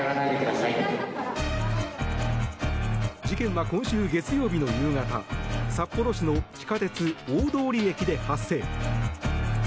事件は今週月曜日の夕方札幌市の地下鉄大通駅で発生。